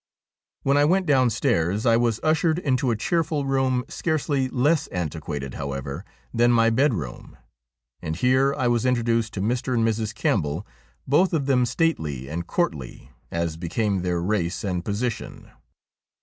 When I went downstairs I was ushered into a cheerful room, scarcely less antiquated, however, than my bedroom, and here I was introduced to Mr. and Mrs. Campbell, both of them stately and courtly, as became their race and posi tion.